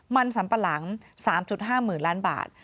มันสัมปะหลัง๓๕๐๐๐ล้านบาท